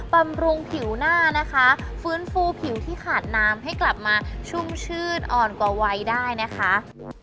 บำรุงผิวหน้านะคะฟื้นฟูผิวที่ขาดน้ำให้กลับมาชุ่มชื่นอ่อนกว่าวัยได้นะคะ